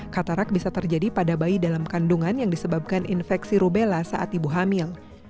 katarak bisa terjadi pada bayi dalam kandungan yang disebabkan infeksi rubella saat ibu hamil